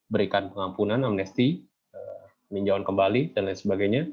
berikan pengampunan amnesti peninjauan kembali dan lain sebagainya